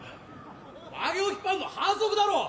まげを引っ張るのは反則だろう！